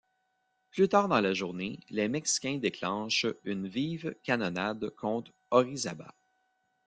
Plus tard dans la journée, les Mexicains déclenchent une vive canonnade contre Orizaba.